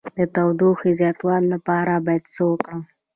د ټوخي د زیاتوالي لپاره باید څه وکړم؟